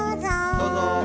・どうぞ。